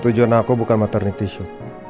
tujuan aku bukan maternity shot